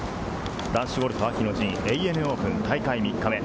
男子ゴルフ秋の陣、ＡＮＡオープン、大会３日目。